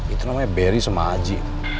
itu namanya berry sama aji